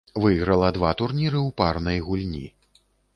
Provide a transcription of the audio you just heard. Выйграла два турніры ў парнай гульні.